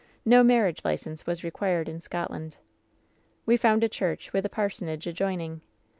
Na marriage license was required in Scotland. "We found a church, with a parsonage adjoining.